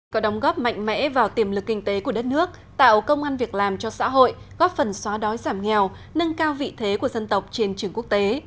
có đóng góp mạnh mẽ vào tiềm lực kinh tế của đất nước tạo công an việc làm cho xã hội góp phần xóa đói giảm nghèo nâng cao vị thế của dân tộc trên trường quốc tế